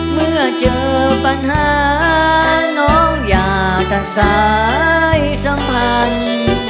เมื่อเจอปัญหาน้องอย่าตัดสายสัมพันธ์